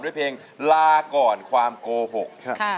ด้วยเพลงลาก่อนความโกหก